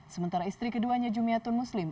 sementara istri keduanya jumiatun muslim